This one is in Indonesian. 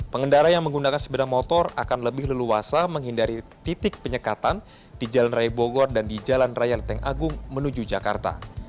pengendara yang menggunakan sepeda motor akan lebih leluasa menghindari titik penyekatan di jalan raya bogor dan di jalan raya lenteng agung menuju jakarta